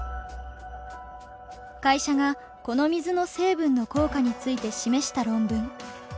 会社がこの水の成分の効果について示した論文。